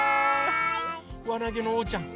わなげのおうちゃん！